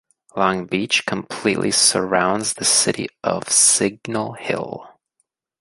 Long Beach completely surrounds the city of Signal Hill.